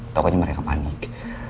pokoknya mereka panik